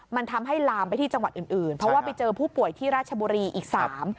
มันทำให้ลามไปที่จังหวัดอื่นอื่นเพราะว่าไปเจอผู้ป่วยที่ราชบุรีอีกสาม